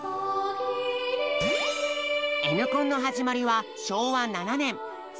Ｎコンの始まりは昭和７年１９３２年。